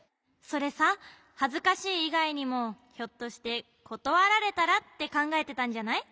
それさはずかしいいがいにもひょっとして「ことわられたら」ってかんがえてたんじゃない？